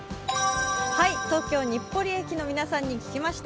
東京・日暮里駅の皆さんに聞きました。